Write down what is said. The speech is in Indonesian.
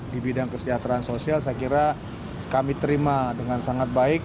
di bidang kesejahteraan sosial saya kira kami terima dengan sangat baik